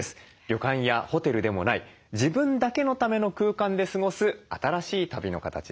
旅館やホテルでもない自分だけのための空間で過ごす新しい旅の形です。